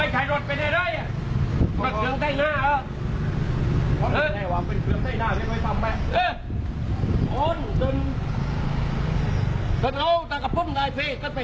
กฏช่อย